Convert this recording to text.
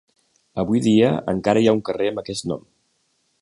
Avui dia encara hi ha un carrer amb aquest nom.